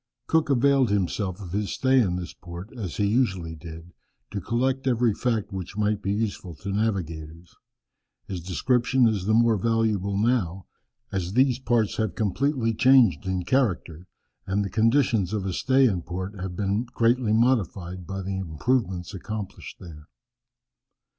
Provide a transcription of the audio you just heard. Cook availed himself of his stay in this port, as he usually did, to collect every fact which might be useful to navigators. His description is the more valuable now, as these parts have completely changed in character, and the conditions of a stay in port have been greatly modified by the improvements accomplished there.